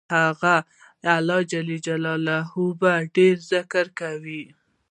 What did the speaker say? هغه ﷺ به ډېر ذکر کاوه.